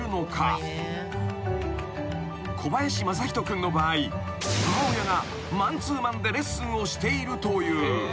君の場合母親がマンツーマンでレッスンをしているという］